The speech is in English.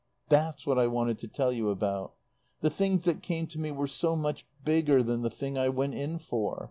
"That's what I wanted to tell you about. The things that came to me were so much bigger than the thing I went in for.